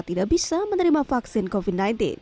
tidak bisa menerima vaksin covid sembilan belas